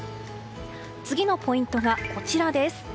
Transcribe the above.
次のポイントがこちら。